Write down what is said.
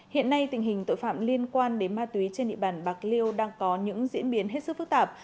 hiện nay tình hình tội phạm liên quan đến ma túy trên địa bàn bạc liêu đang có những diễn biến hết sức phức tạp